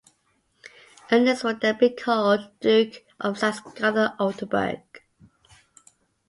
Ernest would then be called Duke of Saxe-Gotha-Altenburg.